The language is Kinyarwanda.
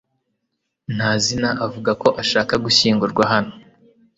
Ntazina avuga ko ashaka gushyingurwa hano .